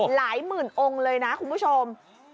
หลายหมื่นองค์เลยนะคุณผู้ชม